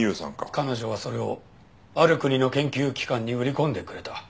彼女はそれをある国の研究機関に売り込んでくれた。